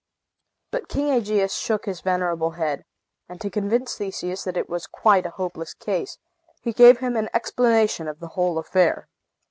But King Aegeus shook his venerable head, and to convince Theseus that it was quite a hopeless case, he gave him an explanation of the whole affair.